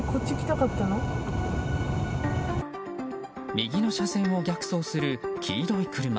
右の車線を逆走する黄色い車。